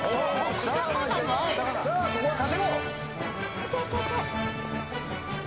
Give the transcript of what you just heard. さあここは稼ごう。